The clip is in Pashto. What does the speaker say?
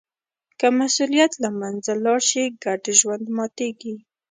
که مسوولیت له منځه لاړ شي، ګډ ژوند ماتېږي.